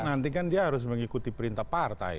nanti kan dia harus mengikuti perintah partai